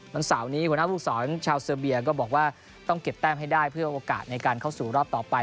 วันเสาร์นี้หัวหน้าภูมิสอนชาวเซอร์เบียก็บอกว่าต้องเก็บแต้มให้ได้เพื่อโอกาสในการเข้าสู่รอบต่อไป